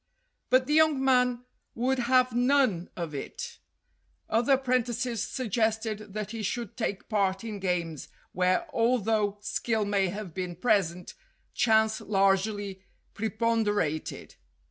But the young man would have none of it. Other apprentices sug gested that he should take part in games where, al though skill may have been present, chance largely pre ponderated.